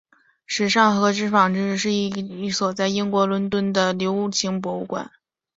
时尚和纺织品博物馆是一所在英国南伦敦的流行博物馆。